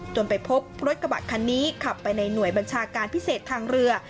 ไปพบรถกระบะคันนี้ขับไปในหน่วยบัญชาการพิเศษทางเรือ